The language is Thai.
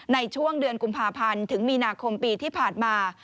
ในช่วงเดือนกุมภาพันธ์ถึงมีนาคมปีที่ผ่านมา